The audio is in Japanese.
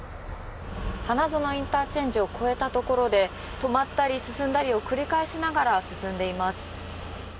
花園ＩＣを越えたところで止まったり進んだりを繰り返しながら進んでいます。